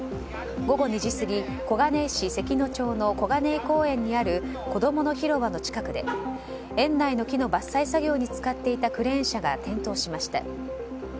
午後２時過ぎ小金井市関野町の小金井公園にあるこどもの広場の近くで園内の木の伐採作業に使っていたクレーン車が転倒しました。